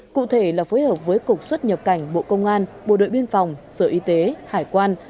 cụ thể là phối hợp với cục xuất nhập cảnh bộ công an bộ đội biên phòng sở y tế hải quan